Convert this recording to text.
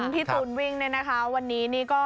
พี่ตูนวิ่งเนี่ยนะคะวันนี้นี่ก็